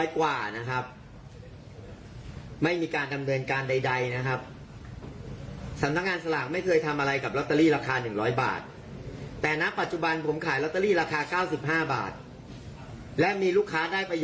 ครับเราคงต้องถามแล้วครับว่า